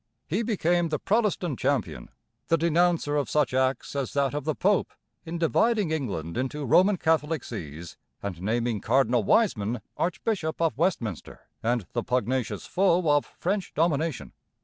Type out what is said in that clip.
He became the Protestant champion, the denouncer of such acts as that of the Pope in dividing England into Roman Catholic sees and naming Cardinal Wiseman Archbishop of Westminster, and the pugnacious foe of 'French domination.'